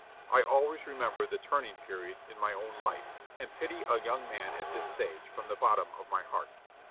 I always remember the turning period in my own life, and pity a young man at this stage from the bottom of my heart.